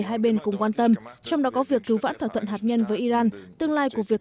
hai bên cùng quan tâm trong đó có việc cứu vãn thỏa thuận hạt nhân với iran tương lai của việc